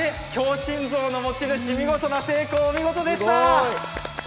強心臓の持ち主見事な成功、お見事でした！